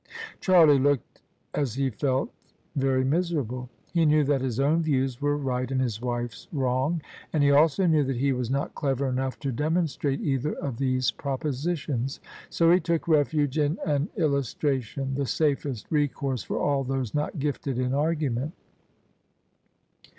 Charlie looked — ^as he felt — ^very miserable. He knew that his own views were right and his wife's wrong: and he also knew that he was not clever enough to demonstrate either of these propositions. So he took refuge in an illus tration: the safest resource for all those not gifted in argument.